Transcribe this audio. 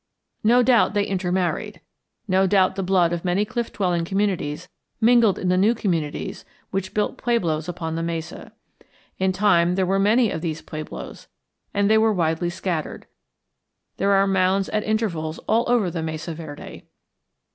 No doubt they intermarried. No doubt the blood of many cliff dwelling communities mingled in the new communities which built pueblos upon the mesa. In time there were many of these pueblos, and they were widely scattered; there are mounds at intervals all over the Mesa Verde.